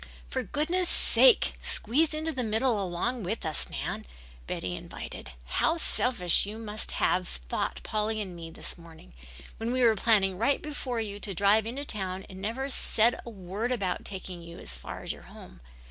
"For goodness' sake, squeeze into the middle along with us, Nan," Betty invited. "How selfish you must have thought Polly and me this morning when we were planning right before you to drive into town and never said a word about taking you as far as your home.